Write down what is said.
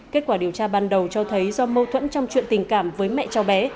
kết quả điều tra ban đầu cho thấy do mâu thuẫn trong chuyện tình cảm với mẹ cháu bé